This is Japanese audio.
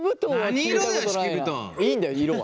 いいんだよ色は。